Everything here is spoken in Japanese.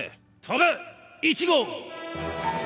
飛べ１号！